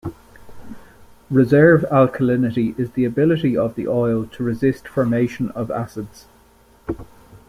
Reserve alkalinity is the ability of the oil to resist formation of acids.